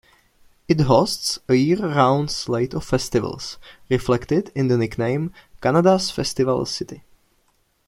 It hosts a year-round slate of festivals, reflected in the nickname "Canada's Festival City".